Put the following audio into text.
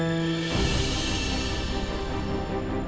tapi kan ini bukan arah rumah